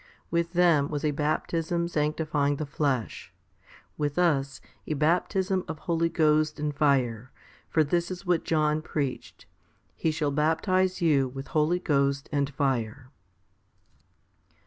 With them was a baptism sancti fying the flesh; with us, a baptism of Holy Ghost and fire, for this is what John preached ; He shall baptize you with Holy Ghost and fire?